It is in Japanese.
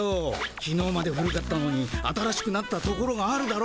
きのうまで古かったのに新しくなったところがあるだろ？